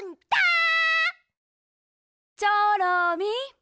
チョロミー。